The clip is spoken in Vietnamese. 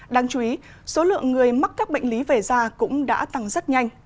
đáng chú ý số lượng người mắc các bệnh lý về da cũng đã tăng rất nhanh